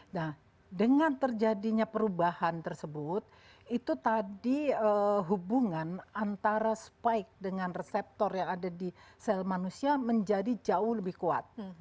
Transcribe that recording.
nah dengan terjadinya perubahan tersebut itu tadi hubungan antara spike dengan reseptor yang ada di sel manusia menjadi jauh lebih kuat